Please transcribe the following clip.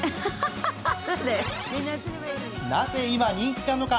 なぜ今、人気なのか？